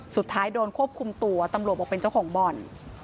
สุดท้ายโดนควบคุมตัวตำรวจบอกเป็นเจ้าของบ่อน